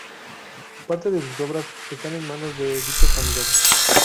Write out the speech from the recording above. Parte de sus obras están en manos de dichos familiares.